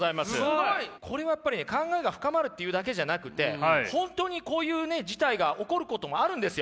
これはやっぱりね考えが深まるっていうだけじゃなくて本当にこういう事態が起こることもあるんですよ。